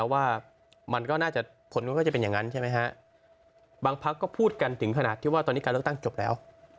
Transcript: ว่ามันก็น่าจะผลมันก็จะเป็นอย่างนั้นใช่ไหมฮะบางพักก็พูดกันถึงขนาดที่ว่าตอนนี้การเลือกตั้งจบแล้ว